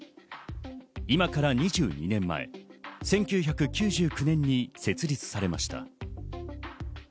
今から２２年前、１９９９年に設立されました。